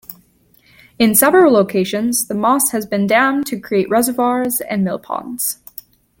In several locations, The Moss has been dammed to create reservoirs and mill ponds.